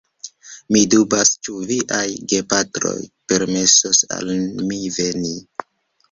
Mi dubas, ĉu viaj gepatroj permesos al mi veni.